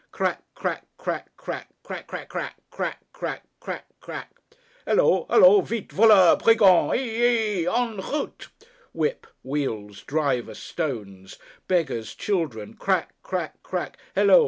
Crack, crack, crack, crack. Crack crack crack. Crick crack. Crick crack. Helo! Hola! Vite! Voleur! Brigand! Hi hi hi! En r r r r r route! Whip, wheels, driver, stones, beggars, children, crack, crack, crack; helo!